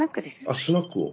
あスナックを。